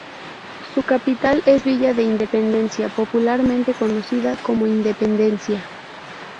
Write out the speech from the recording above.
Su capital es Villa de Independencia, popularmente conocida como "Independencia".